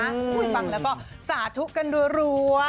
ฟังแล้วก็สาธุกันรัว